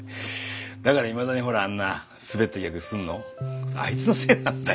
だからいまだにほらあんなスベったギャグすんのあいつのせいなんだ。